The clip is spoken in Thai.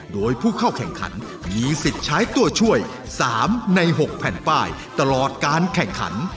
โดยผู้เข้าแข่งขันมีสิทธิ์ใช้ตัวช่วย๓ใน๖แผ่นป้ายตลอดการแข่งขัน